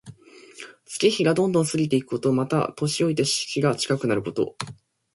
月日がどんどん過ぎていくこと。また、年老いて死期が近くなること。